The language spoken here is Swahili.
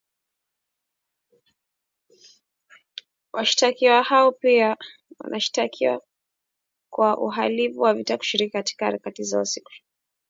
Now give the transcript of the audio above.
washtakiwa hao pia wanashtakiwa kwa uhalivu wa vita kushiriki katika harakati za uasi na kushirikiana na wahalifu